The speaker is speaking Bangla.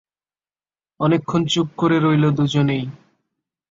অনেকক্ষণ চুপ করে রইল দুজনেই।